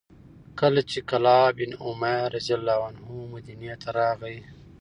کله چې کلاب بن امیة رضي الله عنه مدینې ته راغی،